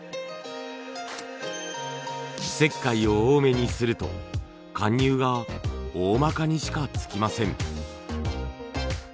石灰を多めにすると貫入がおおまかにしかつきません。